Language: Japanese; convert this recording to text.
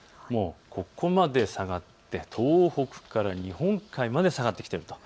ここまで下がって東北から日本海まで下がってきていると。